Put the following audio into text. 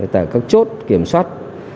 tạo các chốt kiểm soát